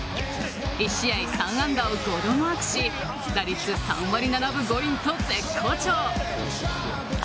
１試合３安打を５度マークし打率３割７分５厘と絶好調。